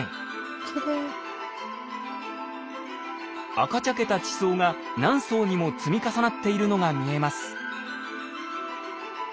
赤茶けた地層が何層にも積み重なっているのが見えます。